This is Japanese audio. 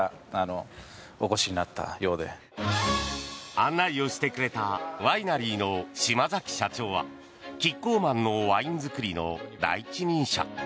案内をしてくれたワイナリーの島崎社長はキッコーマンのワイン造りの第一人者。